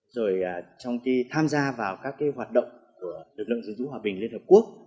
rồi trong khi tham gia vào các hoạt động của lực lượng gìn giữ hòa bình liên hợp quốc